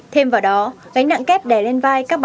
thêm vào đó gánh nặng kép đè lên vai các phụ nữ